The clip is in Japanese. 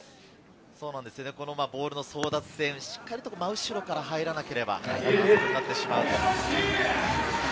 ボールの争奪戦、しっかり真後ろから入らなければ反則になってしまう。